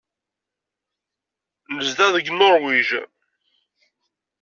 Nezdeɣ deg Nuṛwij.